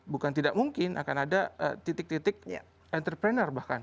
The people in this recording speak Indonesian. bukan tidak mungkin akan ada titik titik entrepreneur bahkan